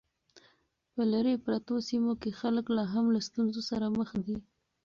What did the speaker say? په لیرې پرتو سیمو کې خلک لا هم له ستونزو سره مخ دي.